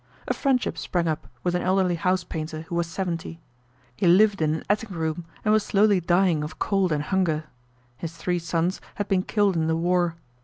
A friendship sprang up with an elderly house painter who was seventy. He lived in an attic room and was slowly dying of cold and hunger. His three sons had been killed in the war.